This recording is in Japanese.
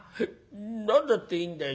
何だっていいんだよ。